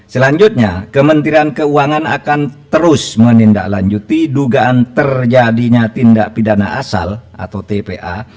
selanjutnya kementerian keuangan akan terus menindaklanjuti dugaan terjadinya tindak pidana asal atau tpa